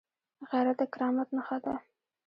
غیرت د کرامت نښه ده